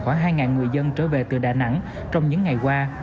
khoảng hai người dân trở về từ đà nẵng trong những ngày qua